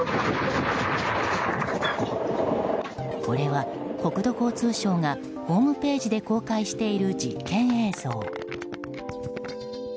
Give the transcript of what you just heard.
これは国土交通省がホームページで公開している実験映像。